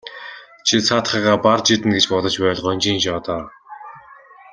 Чи цаадхыгаа барж иднэ гэж бодож байвал гонжийн жоо доо.